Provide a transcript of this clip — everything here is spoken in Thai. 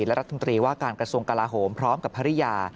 และรัฐมนตรีว่าการกระทรวงกลาโหมพร้อมกับภรรยา